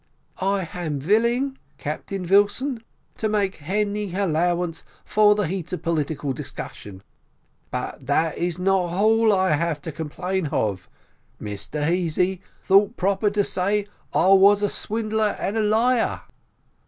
"I ham villing, Captain Vilson, to make hany hallowance for the eat of political discussion but that is not hall that I ave to complain hof. Mr Easy thought proper to say that I was a swindler and a liar."